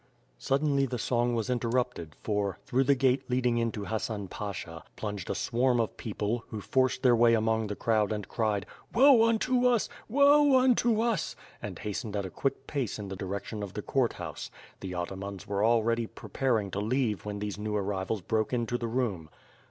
Suddenly the song was interrupted for, through the gate leading into Hassan Pasha, plunged a swarm of people, who forced their way among the crowd and cried: "Woe unto us! Woe unto us!" and hastened at a quick pace in the direction of the court house. The atamans were already preparing to leave when these new arrivals broke into the room.